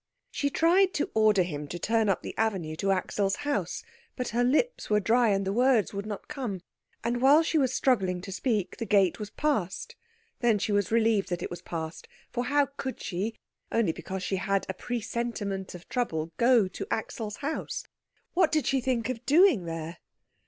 She tried to order him to turn up the avenue to Axel's house, but her lips were dry, and the words would not come; and while she was struggling to speak the gate was passed. Then she was relieved that it was passed, for how could she, only because she had a presentiment of trouble, go to Axel's house? What did she think of doing there?